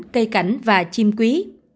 cây cảnh và chim quý